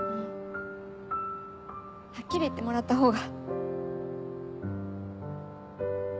はっきり言ってもらったほうが。